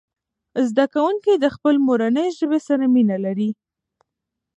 زده کوونکي د خپلې مورنۍ ژبې سره مینه لري.